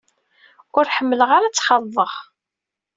Ur ḥemmleɣ ara ad tt-xalḍeɣ.